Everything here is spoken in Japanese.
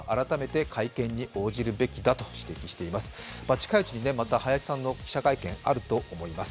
近いうちにまた林さんの記者会見あると思います。